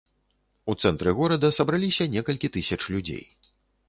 У цэнтры горада сабраліся некалькі тысяч людзей.